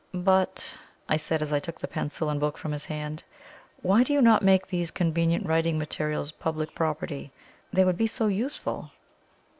"But," I said, as I took the pencil and book from his hand, "why do you not make these convenient writing materials public property? They would be so useful."